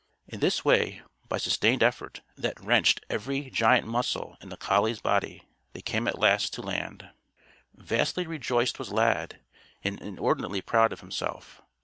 In this way, by sustained effort that wrenched every giant muscle in the collie's body, they came at last to land. Vastly rejoiced was Lad, and inordinately proud of himself.